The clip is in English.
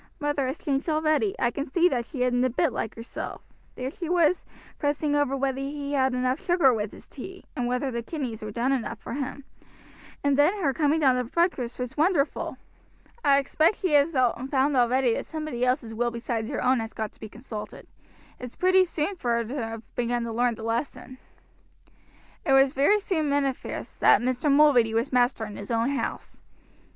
"Mother has changed already; I can see that she isn't a bit like herself. There she was fussing over whether he had enough sugar with his tea, and whether the kidneys were done enough for him; then her coming down to breakfast was wonderful. I expect she has found already that somebody else's will besides her own has got to be consulted; it's pretty soon for her to have begun to learn the lesson." It was very soon manifest that Mr. Mulready was master in his own house.